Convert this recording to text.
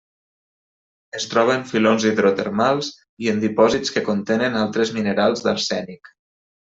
Es troba en filons hidrotermals i en dipòsits que contenen altres minerals d'arsènic.